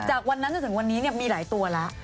จากวันนั้นจนถึงวันนี้มีหลายตัวแล้ว